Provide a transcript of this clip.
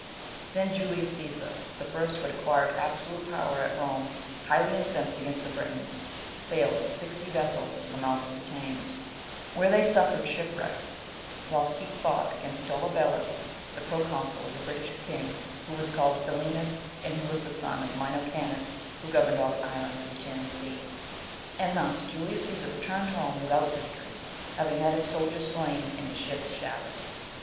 Then Julius Caesar, the first who had acquired absolute power at Rome, highly incensed against the Britons, sailed with sixty vessels to the mouth of the Thames, where they suffered shipwreck whilst he fought against Dolobellus, (the proconsul of the British king, who was called Belinus, and who was the son of Minocannus who governed all the islands of the Tyrrhene Sea), and thus Julius Caesar returned home without victory, having had his soldiers Slain, and his ships shattered.